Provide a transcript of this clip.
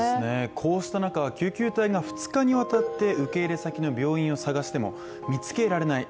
こうした中、救急隊が２日にわたって受け入れ先の病院を探しても見つけられない